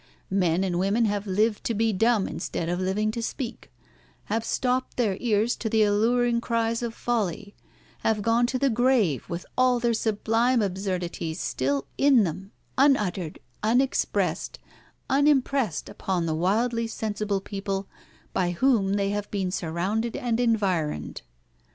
Men and women have lived to be dumb, instead of living to speak; have stopped their ears to the alluring cries of folly; have gone to the grave with all their sublime absurdities still in them, unuttered, unexpressed, unimpressed upon the wildly sensible people by whom they have been surrounded and environed.